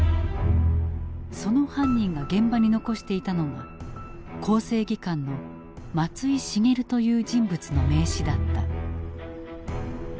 その犯人が現場に残していたのが厚生技官の松井蔚という人物の名刺だった。